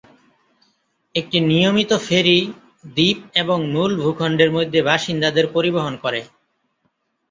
একটি নিয়মিত ফেরি দ্বীপ এবং মূল ভূখণ্ডের মধ্যে বাসিন্দাদের পরিবহণ করে।